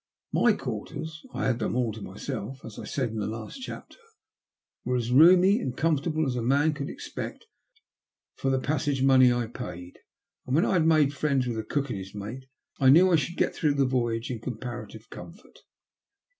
My quarters — I had them all to myself, as I said ia the last chapter — were as roomy and 114 THE LUST OF HATB. comfortable as a man could expect for the passage money I paid, and when I had made friends with the cook and his mate, I knew I should get through the voyage in comparative comfort.